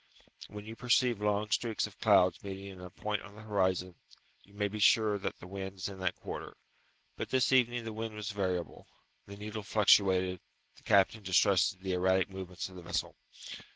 When you perceive long streaks of clouds meeting in a point on the horizon, you may be sure that the wind is in that quarter; but this evening the wind was variable; the needle fluctuated; the captain distrusted the erratic movements of the vessel.